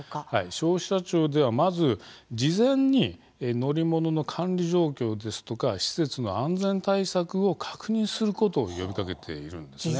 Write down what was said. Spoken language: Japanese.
消費者庁では、まず事前に乗り物の管理状況ですとか施設の安全対策を確認することを呼びかけているんですね。